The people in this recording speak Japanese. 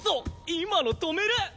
今の止める！？